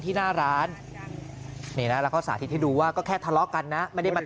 ที่หน้าร้านนี่นะแล้วก็สาธิตให้ดูว่าก็แค่ทะเลาะกันนะไม่ได้มา